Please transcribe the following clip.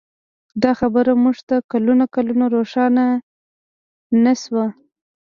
دا خبره موږ ته کلونه کلونه روښانه نه شوه.